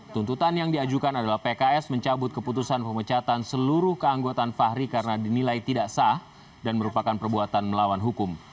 tuntutan yang diajukan adalah pks mencabut keputusan pemecatan seluruh keanggotaan fahri karena dinilai tidak sah dan merupakan perbuatan melawan hukum